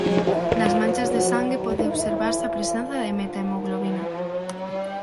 Nas manchas de sangue pode observarse a presenza da metahemoglobina.